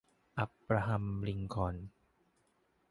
อับราฮัม ลิงคอล์น